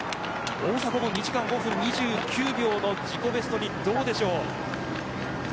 大迫も２時間５分台の自己ベストにどうでしょうか。